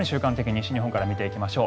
西日本から見ていきましょう。